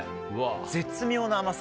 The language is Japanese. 絶妙な甘さ。